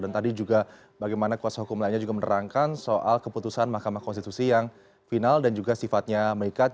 dan tadi juga bagaimana kuasa hukum lainnya juga menerangkan soal keputusan mahkamah konstitusi yang final dan juga sifatnya meikat